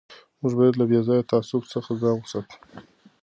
موږ باید له بې ځایه تعصب څخه ځان وساتو.